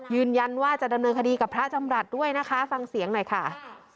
ยืนยันว่าจะดำเนินคดีกับพระจำรัฐด้วยนะคะฟังเสียงหน่อยค่ะ